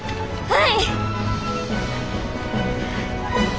はい！